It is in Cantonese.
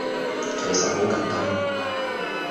其實好簡單